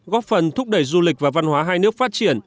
góp phần thúc đẩy du lịch và văn hóa hai nước phát triển